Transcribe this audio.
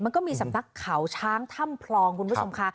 มันก็มีสำนักเขาช้างถ้ำพลองคุณผู้ชมค่ะ